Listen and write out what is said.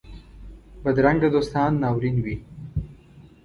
بدرنګه دوستان ناورین وي